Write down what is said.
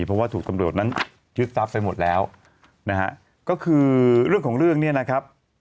เพราะว่าถูกตำรวจนั้นยึดทรัพย์ไปหมดแล้วนะฮะก็คือเรื่องของเรื่องเนี่ยนะครับ